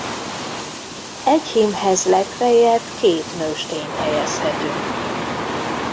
Egy hímhez legfeljebb két nőstényt helyezhetünk.